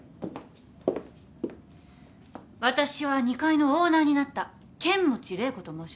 私は２階のオーナーになった剣持麗子と申します。